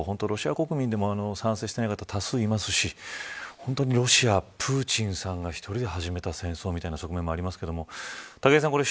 ロシア国民でも賛成していない方たくさんいますし本当にロシア、プーチンさんが１人で始めた戦争みたいな側面もありますが武井さん